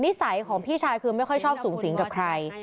นิสัยของพี่ชายคือไม่ค่อยชอบสูงสิงกับใคร